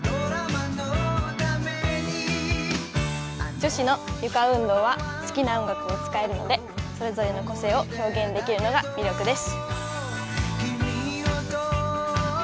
女子のゆか運動は好きな音楽を使えるのでそれぞれの個性を表現できるのが魅力です。